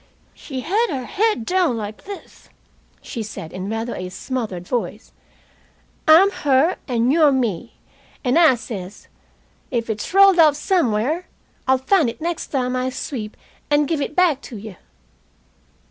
"She had her head down like this," she said, in rather a smothered voice. "I'm her, and you're me. And I says: 'If it's rolled off somewhere I'll find it next time I sweep, and give it back to you.'